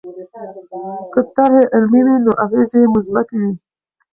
که طرحې علمي وي نو اغېزې یې مثبتې وي.